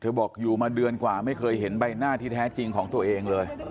บอกอยู่มาเดือนกว่าไม่เคยเห็นใบหน้าที่แท้จริงของตัวเองเลย